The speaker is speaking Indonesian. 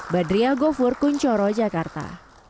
badriah gofur kuncoro jakarta